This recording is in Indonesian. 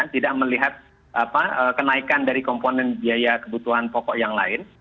tidak melihat kenaikan dari komponen biaya kebutuhan pokok yang lain